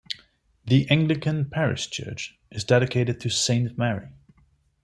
The Anglican parish church is dedicated to Saint Mary.